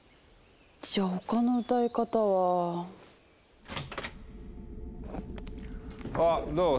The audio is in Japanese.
じゃ他の歌い方は。あっどう？